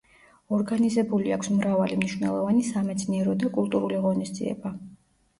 ორგანიზებული აქვს მრავალი მნიშვნელოვანი სამეცნიერო და კულტურული ღონისძიება.